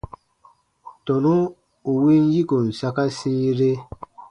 Tɔnu ù win yikon saka sĩire.